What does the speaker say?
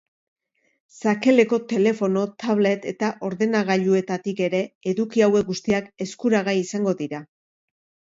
Sakeleko telefono, tablet eta ordenagailuetatik ere eduki hauek guztiak eskuragai izango dira.